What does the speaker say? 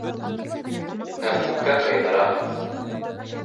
Һәм күпкә ҡыйыныраҡ...